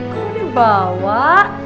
kok dia bawa